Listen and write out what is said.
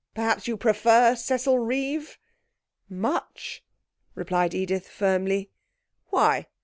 Perhaps you prefer Cecil Reeve?' 'Much,' replied Edith firmly. 'Why?